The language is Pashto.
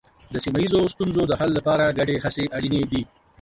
د سیمه ییزو ستونزو د حل لپاره ګډې هڅې اړینې دي.